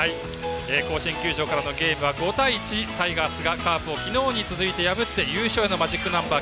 甲子園球場からのゲームは５対１、タイガースがカープを昨日に続いて破って優勝へのマジックナンバー